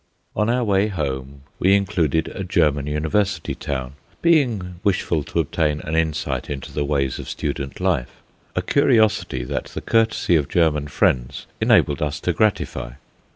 On our way home we included a German University town, being wishful to obtain an insight into the ways of student life, a curiosity that the courtesy of German friends enabled us to gratify.